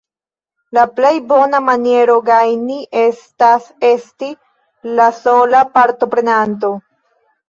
La plej bona maniero gajni estas esti la sola partoprenanto.